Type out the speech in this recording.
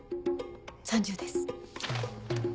３０です。